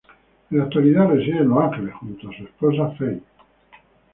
En la actualidad reside en Los Ángeles junto a su esposa Fay.